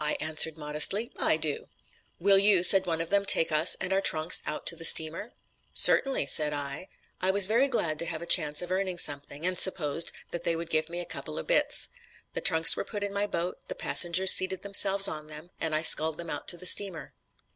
"I answered modestly, 'I do.' "'Will you,' said one of them, 'take us and our trunks out to the steamer?' "'Certainly,' said I. I was very glad to have a chance of earning something, and supposed that they would give me a couple of 'bits.' The trunks were put in my boat, the passengers seated themselves on them, and I sculled them out to the steamer.